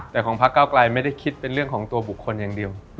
แต่ของพักเก้าไกลไม่ได้คิดเป็นเรื่องของตัวบุคคลอย่างเดียว